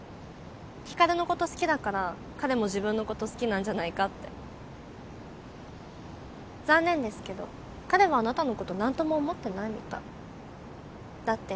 光琉のこと好きだから彼も自分のこと好きなんじゃないかって残念ですけど彼はあなたのことなんとも思ってないみたいだって